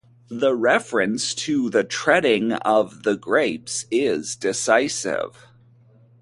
The reference to the treading of the grapes is decisive.